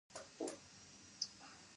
توکل ګټور دی.